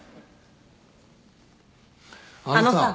あのさ。